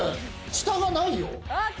下がないよ。